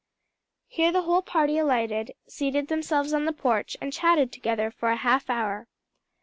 Here the whole party alighted, seated themselves on the porch and chatted together for a half hour.